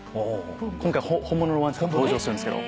今回本物のワンちゃんが登場するんですけど。